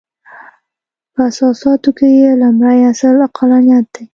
په اساساتو کې یې لومړۍ اصل عقلانیت دی.